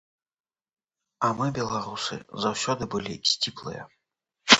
А мы, беларусы, заўсёды былі сціплыя.